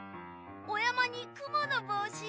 おやまにくものぼうし！